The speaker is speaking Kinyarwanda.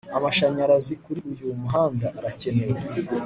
Amashanyarazi kuri uyu muhanda aracyenewe